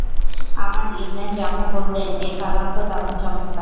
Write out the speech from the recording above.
আমর ibn Jamuh বললেন, এ কালাম তো দারুণ চমৎকার!